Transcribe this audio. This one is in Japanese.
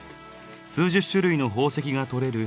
数十種類の宝石が採れる